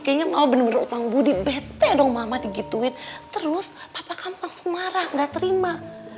kayaknya mama bener bener utang budi bete dong mama digituin terus papa kamu langsung marah gak terima